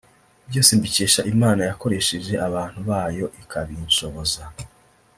byose mbikesha Imana yakoresheje abantu bayo ikabinshoboza